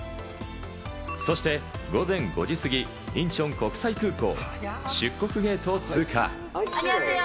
そして午前５時すぎ、インチョン空港出国ゲートを通過。